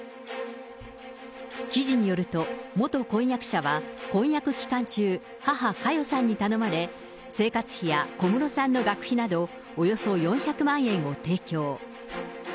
記事によると、元婚約者は婚約期間中、母、佳代さんに頼まれ、生活費や小室さんの学費など、およそ４００万円を提供。